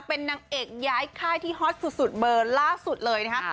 เป็นนางเอกย้ายค่ายที่ฮอตสุดเบอร์ล่าสุดเลยนะคะ